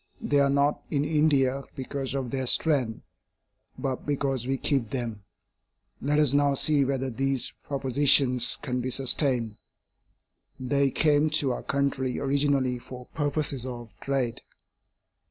They are not in India because of their strength, but because we keep them. Let us now see whether these propositions can be sustained. They came to our country originally for purposes of trade.